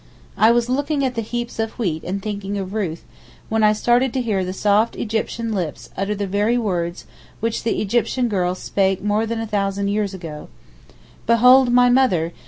I was looking at the heaps of wheat and thinking of Ruth, when I started to hear the soft Egyptian lips utter the very words which the Egyptian girl spake more than a thousand years ago: 'Behold my mother!